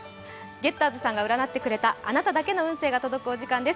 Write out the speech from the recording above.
ゲッターズさんが占ってくれたあなただけの運勢が届く時間です。